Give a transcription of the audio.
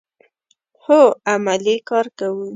هو، عملی کار کوو